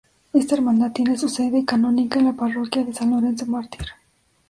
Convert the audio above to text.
Esta hermandad tiene su sede canónica en la parroquia de San Lorenzo Mártir.